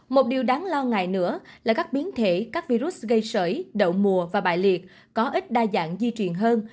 một điều đáng lo ngại nữa là các biến thể các virus gây sởi đậu mùa và bại liệt có ít đa dạng di chuyển hơn